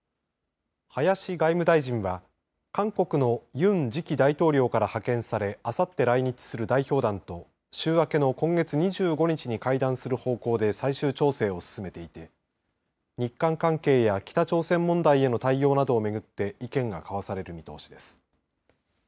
林外務大臣は韓国のユン次期大統領から派遣されあさって来日する代表団と週明けの今月２５日に会談する方向で最終調整を進めていて日韓関係や北朝鮮問題への対応などをめぐって意見が交わされる見通しです。